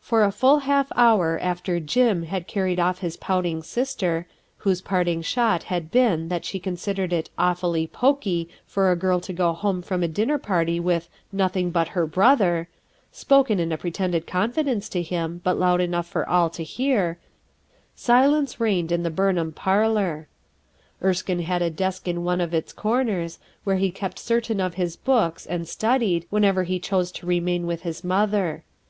For a full half hour after "Jim" ] mi \ carrie(1 off Ins pouting sister, — whose parting shot had been that she considered it "awfully pokey" for a girl to go homo from a dinner party with "nothing but her brother" — spoken in a pretended confidence lo him, but loud enough for all to hear, — silence reigned in the Burnham parlor. Erskine had a desk in one of its corners, where he kept certain of his books, and studied, whenever he chose to remain with his mother.